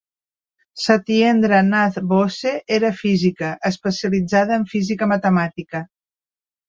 Satyendra Nath Bose era física, especialitzada en física matemàtica.